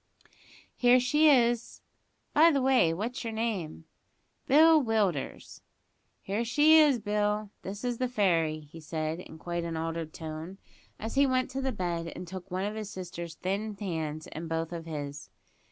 "Here she is; by the way, what's your name?" "Bill Willders." "Here she is, Bill; this is the fairy," he said, in quite an altered tone, as he went to the bed, and took one of his sister's thin hands in both of his.